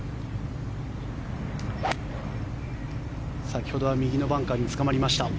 先ほどは右のバンカーにつかまりました。